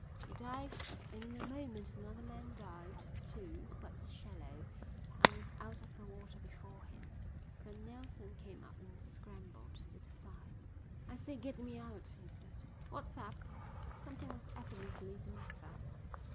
He dived and in a moment another man dived too, but shallow, and was out of the water before him. Then Nelson came up and scrambled to the side. "I say, get me out," he said. "What's up?" Something was evidently the matter.